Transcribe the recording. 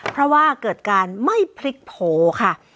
เพราะว่าเกิดการไม่พลิกโผล่ค่ะ